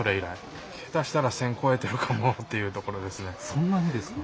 そんなにですか？